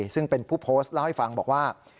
ซึ่งเป็นผู้โพสต์เล่าให้ฟังบอกว่า